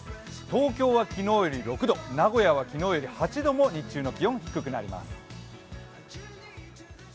東京は昨日よりも６度、名古屋は昨日よりも８度、日中の気温、低くなります。